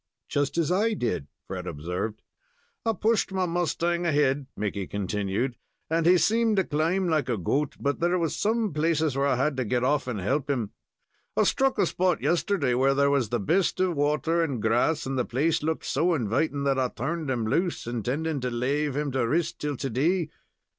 "Just as I did," Fred observed. "I pushed my mustang ahead," Mickey continued, "and he seemed to climb like a goat, but there was some places where I had to get off and help him. I struck a spot yesterday where there was the best of water and grass, and the place looked so inviting that I turned him loose, intending to lave him to rist till to day.